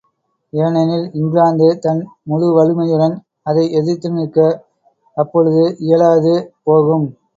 ஏனெனில் இங்கிலாந்து தன் முழுவலிமையுடன் அதை எதிர்த்து நிற்க அப்போழுது இயலாது போகும்.